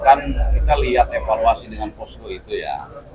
kan kita lihat evaluasi dengan posko itu ya